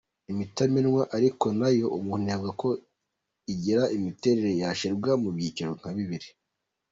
Imitamenwa ariko nayo umuntu yavuga ko igira imiterere yashyirwa mu byiciro nka bibiri.